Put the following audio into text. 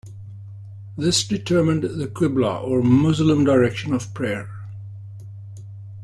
This determined the Qibla, or Muslim direction of prayer.